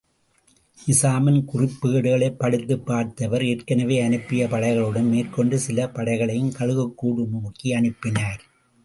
நிசாமின் குறிப்பேடுகளைப் படித்துப் பார்த்த அவர் ஏற்கெனவே அனுப்பிய படைகளுடன், மேற்கொண்டு சில படைகளையும் கழுகுக்கூடு நோக்கியனுப்பினார்.